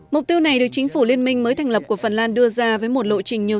mục tiêu này được chính phủ liên minh mới thành lập của phần lan đưa ra với một lộ trình nhiều